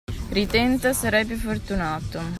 Ritenta, sarai più fortunato!